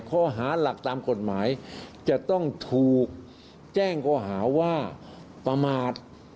ข้อหาหลักตามกฎหมายจะต้องถูกแจ้งข้อหาว่าประมาท